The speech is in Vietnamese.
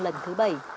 lần thứ bảy